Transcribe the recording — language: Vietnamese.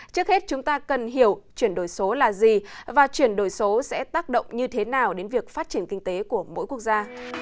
trước hết chúng ta cần hiểu chuyển đổi số là gì và chuyển đổi số sẽ tác động như thế nào đến việc phát triển kinh tế của mỗi quốc gia